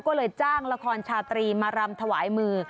ก็เลยจ้างละครชาตรีมารำถวายมือ